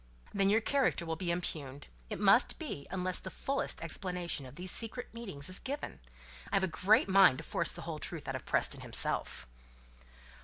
"Then your character will be impugned. It must be, unless the fullest explanation of these secret meetings is given. I've a great mind to force the whole truth out of Preston himself!"